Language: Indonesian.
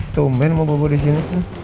tumen mau bobo disini